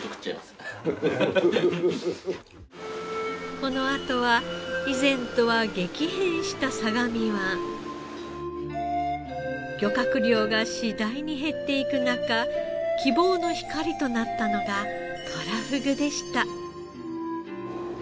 このあとは以前とは漁獲量が次第に減っていく中希望の光となったのがとらふぐでした。